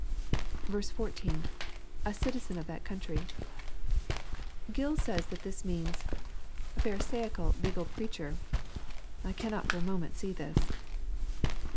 14. — [A citiz&ii of that country,] Grill says that this means, "A Pharisaical legal preacher." I cannot for a moment see this.